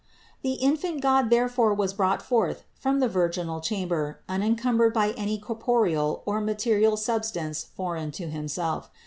479. The infant God therefore was brought forth from the virginal chamber unencumbered by any corporeal or material substance foreign to Himself.